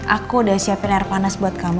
aku udah siapin air panas buat kamu